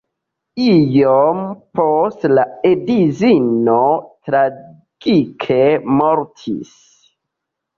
Iom poste la edzino tragike mortis.